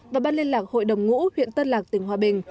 và ban liên lạc hội đồng ngũ huyện tân lạc tỉnh hòa bình